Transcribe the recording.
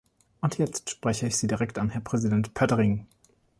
Und jetzt spreche ich Sie direkt an, Herr Präsident Pöttering.